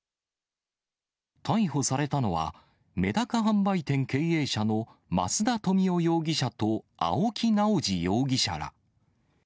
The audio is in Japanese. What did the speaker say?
逮捕されたのは、メダカ販売店経営者の増田富男容疑者と青木直樹容疑者ら。